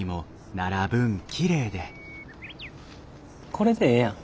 これでええやん。